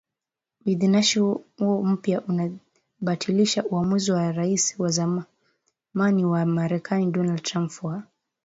Uidhinishaji huo mpya unabatilisha uamuzi wa Raisi wa zamani wa Marekani Donald Trump wa